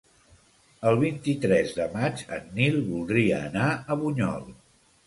El vint-i-tres de maig en Nil voldria anar a Bunyol.